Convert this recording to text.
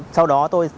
sau đó tôi kiểm tra